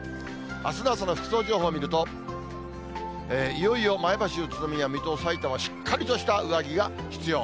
あすの朝の服装情報を見ると、いよいよ前橋、宇都宮、水戸、さいたま、しっかりとした上着が必要。